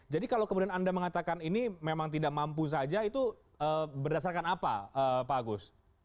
jadi kalau kemudian anda mengatakan ini memang tidak mampu saja itu berdasarkan apa pak agus